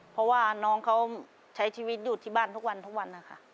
เพราะว่าน้องเขาใช้ชีวิตอยู่ที่บ้านทุกวันทุกวันนะคะ